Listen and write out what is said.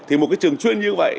thì một cái trường chuyên như vậy